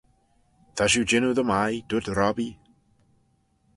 "Ta shiu jannoo dy mie," dooyrt Robby.